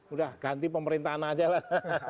udah ganti pemerintahan aja lah